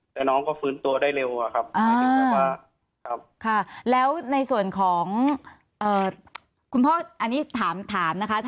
ที่น้องก็ฟื้นตัวได้เร็วหว่าครับว่าค่ะแล้วในส่วนของคุณพ่ออันนี้ถามถามนะคะถ้าไม่ใช่